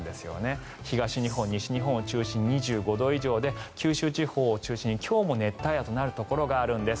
東日本、西日本を中心に２５度以上で九州地方を中心に今日も熱帯夜となるところがあるんです。